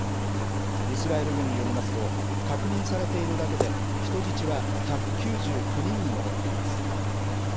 イスラエル軍によりますと、確認されているだけで、人質は１９９人に上っています。